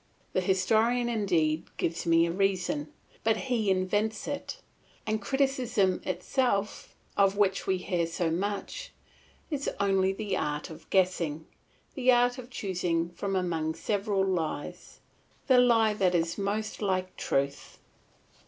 The historian indeed gives me a reason, but he invents it; and criticism itself, of which we hear so much, is only the art of guessing, the art of choosing from among several lies, the lie that is most like truth.